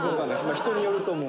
「人によると思う」